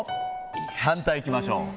反対いきましょう。